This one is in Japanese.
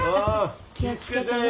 気を付けてね。